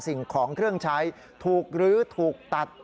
สิ่งของเครื่องใช้ถูกลื้อถูกตัด